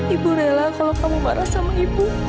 ibu rela kalau kamu marah sama ibu